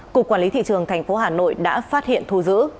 cục quản lý thị trường thành phố hà nội đã phát hiện thu giữ